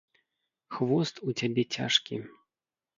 Хвост у цябе цяжкі.